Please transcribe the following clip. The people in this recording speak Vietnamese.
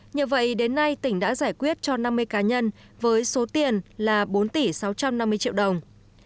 nhờ vậy đến nay tỉnh đã giải quyết cho năm mươi cá nhân với số tiền là bốn tỷ sáu trăm năm mươi triệu đồng